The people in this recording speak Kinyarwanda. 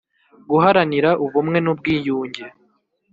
Guharanira Ubumwe N Ubwiyunge